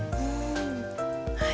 はい。